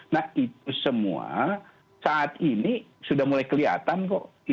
nah itu semua saat ini sudah mulai kelihatan kok